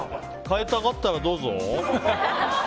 変えたかったらどうぞ。